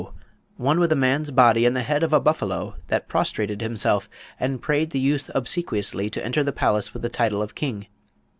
one with a man's body and the head of a buffalo, that prostrated himself, and prayed the youth obsequiously to enter the palace with the title of King.